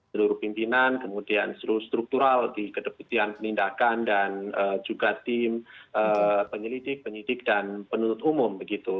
seluruh pimpinan kemudian seluruh struktural di kedeputian penindakan dan juga tim penyelidik penyidik dan penuntut umum